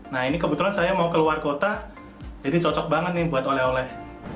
nah ini kebetulan saya mau keluar kota jadi cocok banget nih buat oleh oleh